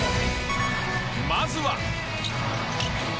まずは。